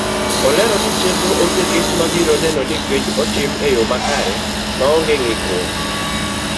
Olero ni chenro oseket mabiro neno ni penj otim eyo makre maonge ngikruok.